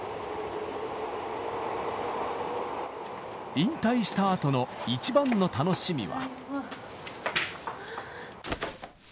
引退したあとの一番の楽しみは。